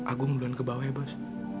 aku mau duluan ke bawah ya bos